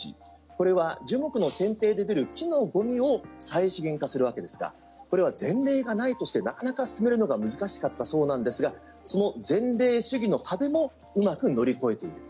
これは樹木のせん定で出る木のゴミを再資源化するわけですがこれは前例がないとしてなかなか進めるのが難しかったそうなんですがその前例主義の壁もうまく乗り越えている。